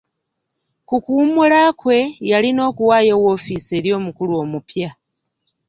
Ku kuwummula kwe, yalina okuwaayo woofiisi eri omukulu omupya.